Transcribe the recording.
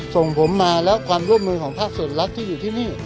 ส่งผมมาแล้วความร่วมมือของภาคส่วนรัฐที่อยู่ที่นี่